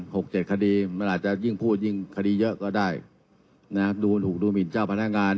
หกเจ็ดคดีมันอาจจะยิ่งพูดยิ่งคดีเยอะก็ได้นะดูถูกดูหมินเจ้าพนักงาน